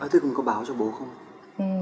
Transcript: thế cũng có báo cho bố không